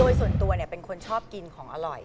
โดยส่วนตัวเป็นคนชอบกินของอร่อย